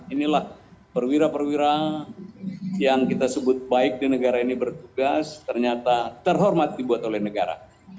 inilah perwira perwira yang kita sebut baik di negara ini bertugas ternyata terhormat dibuat oleh negara